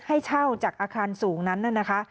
ให้เช่าจากอาคารสูงนั้นนะคะ